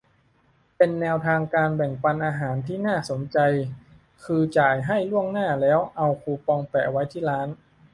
เป็นแนวทางการแบ่งปันอาหารที่น่าสนใจ คือ จ่ายให้ล่วงหน้า แล้วเอาคูปองแปะไว้ที่ร้าน